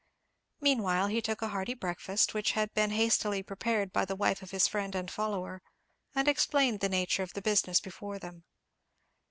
Meanwhile he took a hearty breakfast, which had been hastily prepared by the wife of his friend and follower, and explained the nature of the business before them.